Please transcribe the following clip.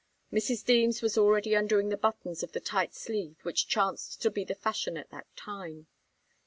Mrs. Deems was already undoing the buttons of the tight sleeve which chanced to be the fashion at that time.